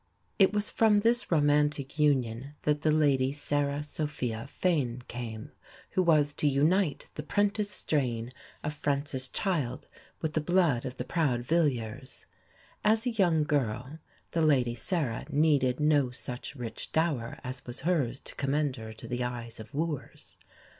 It was from this romantic union that the Lady Sarah Sophia Fane came, who was to unite the 'prentice strain of Francis Child with the blood of the proud Villiers. As a young girl the Lady Sarah needed no such rich dower as was hers to commend her to the eyes of wooers.